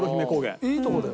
いいとこだよ。